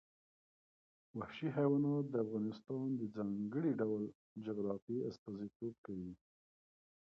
وحشي حیوانات د افغانستان د ځانګړي ډول جغرافیه استازیتوب کوي.